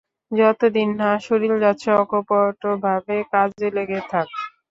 যত দিন না শরীর যাচ্ছে, অকপটভাবে কাজে লেগে থাক।